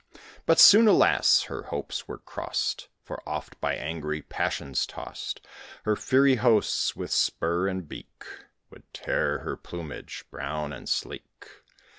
But soon, alas! her hopes were cross'd, For oft, by angry passions toss'd, Her fiery hosts, with spur and beak, Would tear her plumage, brown and sleek.